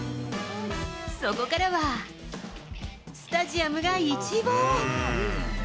そこからは、スタジアムが一望。